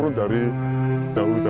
yang dari habis waspada